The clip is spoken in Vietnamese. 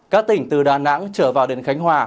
các tỉnh từ đà nẵng trở vào đến khánh hòa